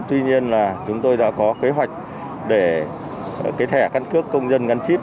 tuy nhiên là chúng tôi đã có kế hoạch để cái thẻ căn cước công dân gắn chip